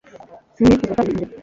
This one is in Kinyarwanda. sinifuzaga gukora ibi mbere